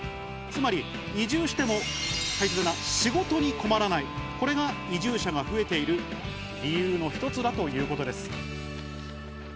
つまり移住しても仕事に困らない、これが移住者が増えている理由の一つだということです。